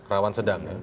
rawan sedang ya